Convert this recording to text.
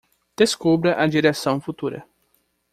Descubra a direção futura